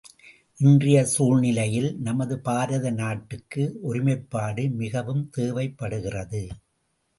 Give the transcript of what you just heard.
இன்றைய சூழ்நிலையில் நமது பாரத நாட்டுக்கு ஒருமைப்பாடு மிகவும் தேவைப்படுகிறது.